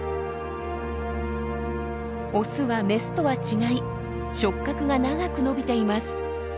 オスはメスとは違い触角が長く伸びています。